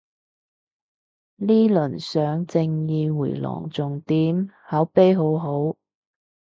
呢輪上正義迴廊仲掂，口碑好好